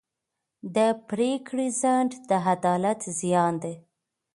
د پرېکړې ځنډ د عدالت زیان دی.